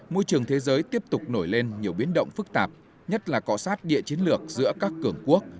môi trường thế giới tiếp tục nổi lên nhiều biến động phức tạp nhất là cọ sát địa chiến lược giữa các cường quốc